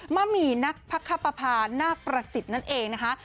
หมี่นักพระคปภานาคประสิทธิ์นั่นเองนะคะ